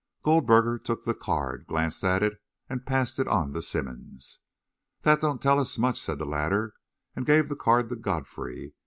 Goldberger took the card, glanced at it, and passed it on to Simmonds. "That don't tell us much," said the latter, and gave the card to Godfrey.